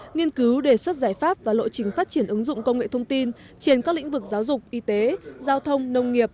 nghiên cứu đề xuất giải pháp và lộ trình phát triển ứng dụng công nghệ thông tin trên các lĩnh vực giáo dục y tế giao thông nông nghiệp